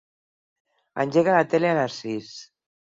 Engega la tele a les sis.